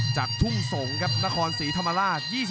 ทุ่งสงศ์ครับนครศรีธรรมราช